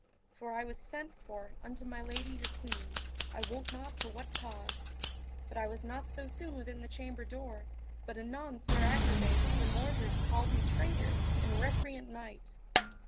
For I was sent for unto my lady your queen, I wot not for what cause; but I was not so soon within the chamber door, but anon Sir Agravaine and Sir Mordred called me traitor and recreant knight.